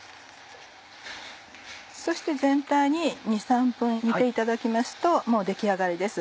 そして全体に２３分煮ていただきますともう出来上がりです。